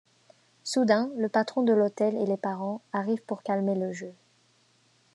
Soudain, le patron de l'hôtel et les parents arrivent pour calmer le jeu.